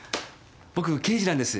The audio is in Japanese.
僕刑事なんです。